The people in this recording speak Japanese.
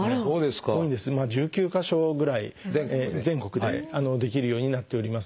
今１９か所ぐらい全国でできるようになっております。